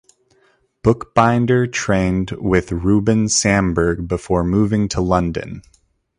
Bookbinder trained with Rouben Samberg before moving to London.